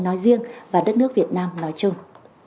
nói riêng và đất nước việt nam nói chung